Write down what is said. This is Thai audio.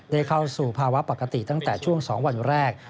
เข้าสู่ภาวะปกติตั้งแต่ช่วง๒วันแรก